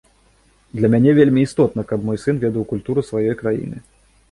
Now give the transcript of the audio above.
Для мяне вельмі істотна, каб мой сын ведаў культуру сваёй краіны.